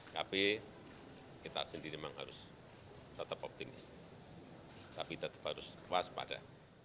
tapi kita sendiri memang harus tetap optimis tapi tetap harus waspada